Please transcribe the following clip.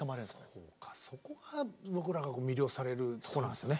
そうかそこが僕らが魅了されるとこなんですね。